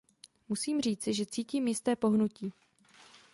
Musím říci, že cítim jisté pohnutí.